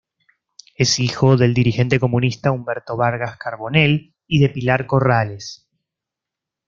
Es hijo del dirigente comunista Humberto Vargas Carbonell y de Pilar Corrales.